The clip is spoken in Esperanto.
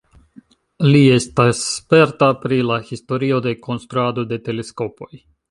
Li estas sperta pri la historio de konstruado de teleskopoj.